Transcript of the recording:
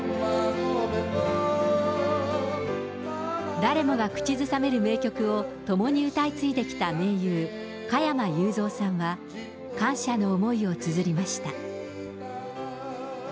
誰もが口ずさめる名曲を共に歌い継いできた盟友、加山雄三さんは、感謝の思いをつづりました。